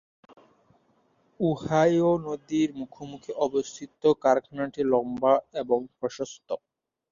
Ohio নদীর মুখোমুখি অবস্থিত, কারখানাটি লম্বা এবং প্রশস্ত।